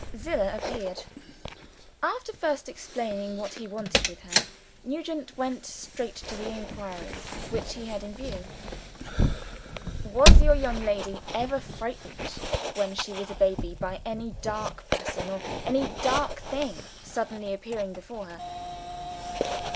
Zillah appeared. After first explaining what he wanted with her, Nugent went straight to the inquiry which he had in view. "Was your young lady ever frightened when she was a baby by any dark person, or any dark thing, suddenly appearing before her?"